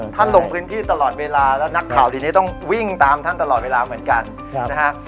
ลงพื้นที่ตลอดเวลาแล้วนักข่าวทีนี้ต้องวิ่งตามท่านตลอดเวลาเหมือนกันนะฮะ